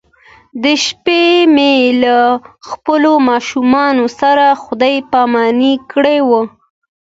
د شپې مې له خپلو ماشومانو سره خدای پاماني کړې وه.